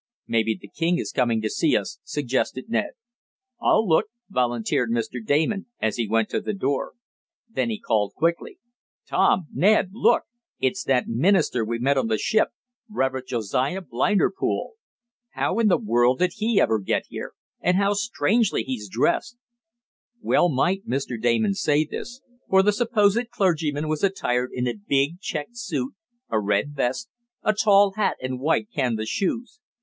"Maybe the king is coming to see us," suggested Ned. "I'll look," volunteered Mr. Damon, as he went to the door. Then he called quickly: "Tom! Ned! Look! It's that minister we met on the ship Reverend Josiah Blinderpool! How in the world did he ever get here? And how strangely he's dressed!" Well might Mr. Damon say this, for the supposed clergyman was attired in a big checked suit, a red vest, a tall hat and white canvas shoes.